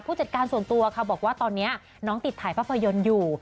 จัดการส่วนตัวค่ะบอกว่าตอนนี้น้องติดถ่ายภาพยนตร์อยู่